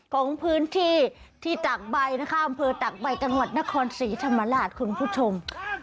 ของพื้นที่ที่ตากใบนะคะอำเภอตักใบจังหวัดนครศรีธรรมราชคุณผู้ชม